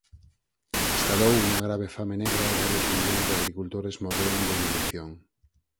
Estalou unha grave fame negra e varios millóns de agricultores morreron de inanición.